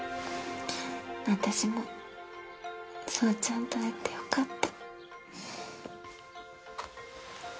私もそうちゃんと会えてよかった。